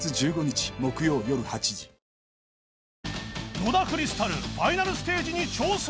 野田クリスタルファイナルステージに挑戦